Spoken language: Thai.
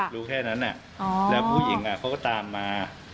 รู้แค่นั้นแล้วผู้หญิงเขาก็ตามมา